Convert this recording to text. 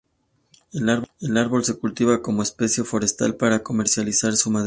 El árbol se cultiva como especie forestal para comercializar su madera.